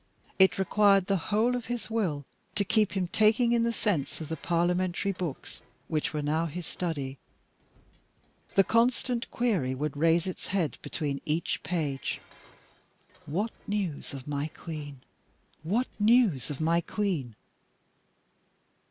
It required the whole of his will to keep him taking in the sense of the Parliamentary books which were now his study. The constant query would raise its head between each page "What news of my Queen? what news of my Queen?"